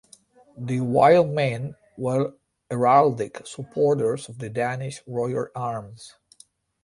The wild men were heraldic supporters of the Danish royal arms.